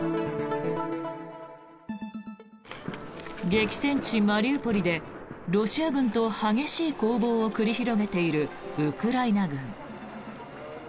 激戦地マリウポリでロシア軍と激しい攻防を繰り広げているウクライナ軍。